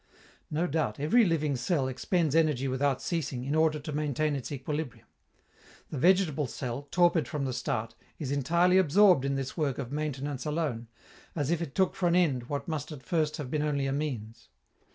No doubt, every living cell expends energy without ceasing, in order to maintain its equilibrium. The vegetable cell, torpid from the start, is entirely absorbed in this work of maintenance alone, as if it took for end what must at first have been only a means.